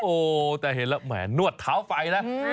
โอ้แต่เห็นแล้วหมายถึงนวดเท้าไฟแล้ว